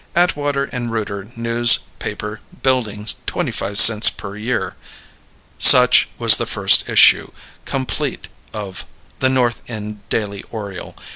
Atwater & Rooter News Paper Building 25 cents per YEAR Such was the first issue, complete, of The North End Daily Oriole.